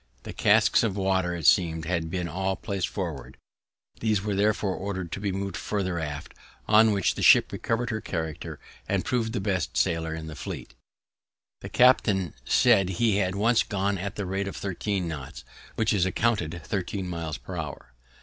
The casks of water, it seems, had been all plac'd forward; these he therefore order'd to be mov'd further aft, on which the ship recover'd her character, and proved the best sailer in the fleet. The captain said she had once gone at the rate of thirteen knots, which is accounted thirteen miles per hour.